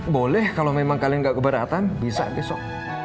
boleh kalau memang kalian nggak keberatan bisa besok